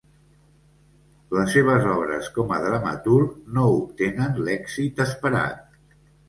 Les seves obres com a dramaturg no obtenen l'èxit esperat.